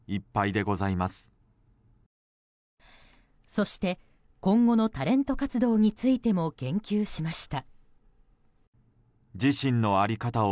そして今後のタレント活動についても、言及しました。